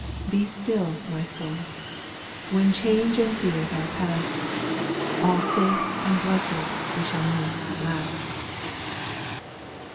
Be still my soul I when change and fears are past, All safe and blessed we shall meet at last.